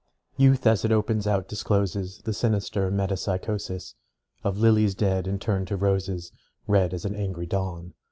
Youth as it opens out discloses The sinister metempsychosis Of lilies dead and turned to roses Red as an angry dawn.